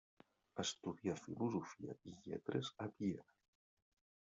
Estudià Filosofia i Lletres a Viena.